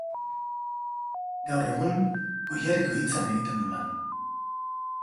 Gaur egun, Goierriko Hitzan egiten du lan.